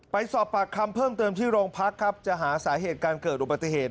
ไปสอบปากคำเพิ่มเติมที่โรงพักครับจะหาสาเหตุการเกิดอุบัติเหตุ